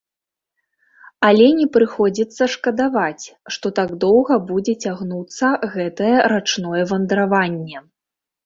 Але не прыходзіцца шкадаваць, што так доўга будзе цягнуцца гэтае рачное вандраванне.